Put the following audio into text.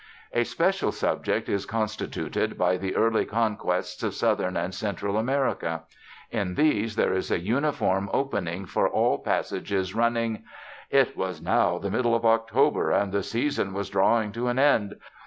A special subject is constituted by the early conquests of Southern and Central America; in these there is a uniform opening for all passages running: It was now the middle of October, and the season was drawing to an end.